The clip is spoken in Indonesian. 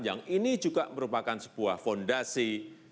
yang ini juga merupakan sebuah fondasi